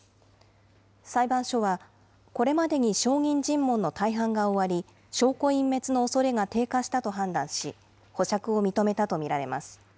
裁判所は、これまでに証人尋問の大半が終わり、証拠隠滅のおそれが低下したと判断し、保釈を認めたと見られます。